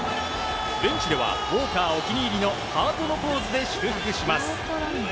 ベンチではウォーカーお気に入りのハートのポーズで祝福します。